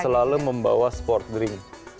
selalu membawa sport drink